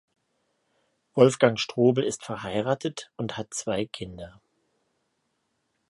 Wolfgang Strobel ist verheiratet und hat zwei Kinder.